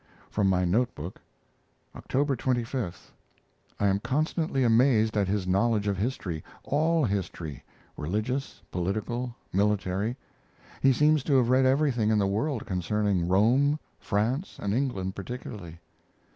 From my note book: October 25. I am constantly amazed at his knowledge of history all history religious, political, military. He seems to have read everything in the world concerning Rome, France, and England particularly.